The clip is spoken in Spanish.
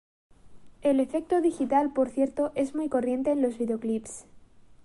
El efecto digital por cierto es muy corriente en los vídeo-clips.